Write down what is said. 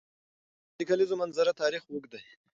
په افغانستان کې د د کلیزو منظره تاریخ اوږد دی.